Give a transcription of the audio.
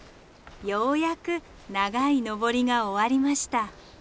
ようやく長い登りが終わりました。